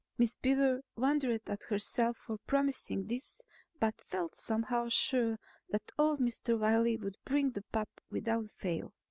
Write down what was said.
Miss Beaver wondered at herself for promising this but felt somehow sure that old Mr. Wiley would bring the pup without fail.